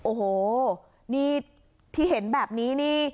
โอ้โหนี่ที่เห็นแบบนี้นี่